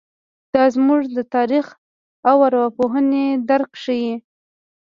دا زموږ د تاریخ او ارواپوهنې درک ښيي.